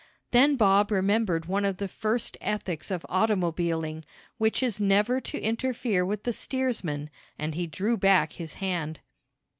Then Bob remembered one of the first ethics of automobiling, which is never to interfere with the steersman, and he drew back his hand.